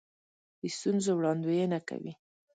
د ستونزو وړاندوینه کوي.